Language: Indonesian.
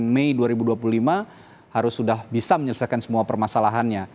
sembilan mei dua ribu dua puluh lima harus sudah bisa menyelesaikan semua permasalahannya